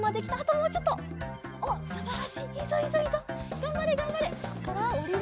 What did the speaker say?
がんばれがんばれ。